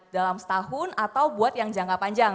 dalam setahun atau buat yang jangka panjang